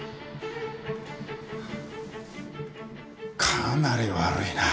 かなり悪いな。